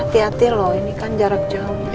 hati hati loh ini kan jarak jauh